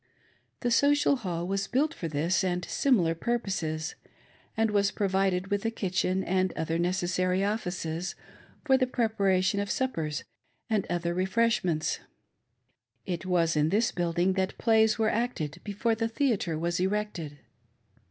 The Social Hall was built "for this and similar ..purposes, and was provided with a kitchen and other neces sary offices, for the preparation of suppers and other refresh ments. It was in this building that plays were acted before the theatre was erected.